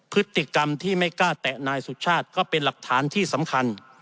พฤติกรรมที่ไม่กล้าแตะนายสุชาติก็เป็นหลักฐานที่สำคัญ